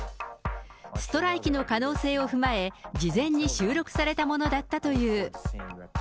ストライキの可能性を踏まえ、事前に収録されたものだったという。